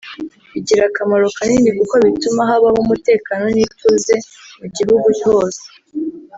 bigira akamaro kanini kuko bituma habaho umutekano n’ituze mu gihugu hose